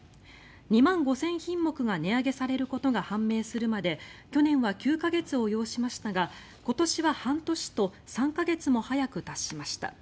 ２万５０００品目が値上げされることが判明するまで去年は９か月を要しましたが今年は半年と３か月も早く達しました。